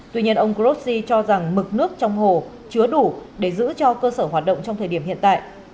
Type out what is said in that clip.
tuy nhiên ông grossi cho rằng mực nước trong hồ chứa đủ để giữ cho cơ sở hoạt động trong thời điểm hiện tại